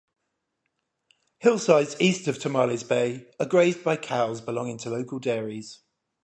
Hillsides east of Tomales Bay are grazed by cows belonging to local dairies.